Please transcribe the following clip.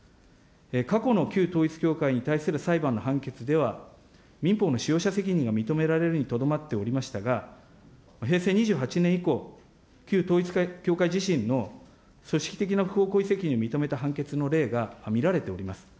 過去の旧統一教会に対する裁判の判決では、民放の使用者責任が認められるにとどまっておりましたが、平成２８年以降、旧統一教会自身の組織的な不法行為責任を認めた判決の例が見られております。